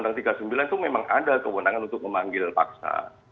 undang undang tiga puluh sembilan itu memang ada kewenangan untuk memanggil paksa